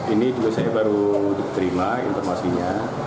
ini juga saya baru terima informasinya